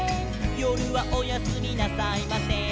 「よるはおやすみなさいません」